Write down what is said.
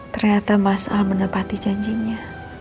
ternyata mas al menepati janjinya